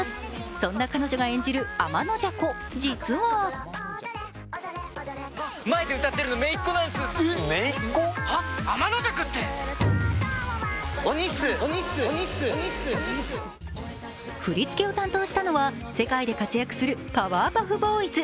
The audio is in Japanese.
そんな彼女が演じるあまのじゃ子、実は振り付けを担当したのは世界で活躍するパワーパフボーイズ。